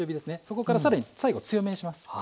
そこから更に最後強めにします。